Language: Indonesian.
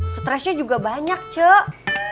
stresnya juga banyak cuk